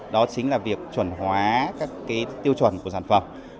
đó chính là việc chuẩn hóa các tiêu chuẩn của sản phẩm